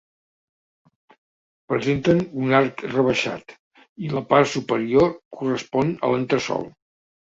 Presenten un arc rebaixat i la part superior correspon a l'entresòl.